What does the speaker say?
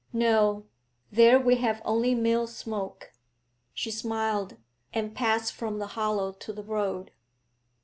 'No, there we have only mill smoke.' She smiled, and passed from the hollow to the road.